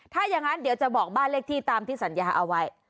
ถ้าอย่างนั้นเดี๋ยวจะบอกบ้านเลขที่ตามที่สัญญาเอาไว้